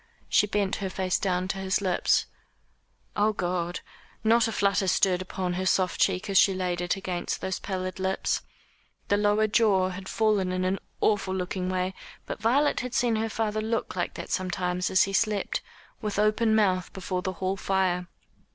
She bent her face down to his lips. Oh God! not a flutter stirred upon her soft cheek as she laid it against those pallid lips. The lower jaw had fallen in an awful looking way; but Violet had seen her father look like that sometimes as he slept, with open mouth, before the hall fire.